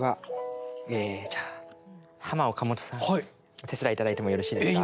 お手伝い頂いてもよろしいですか。